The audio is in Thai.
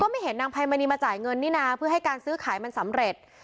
ไม่เห็นนางไพมณีมาจ่ายเงินนี่นะเพื่อให้การซื้อขายมันสำเร็จ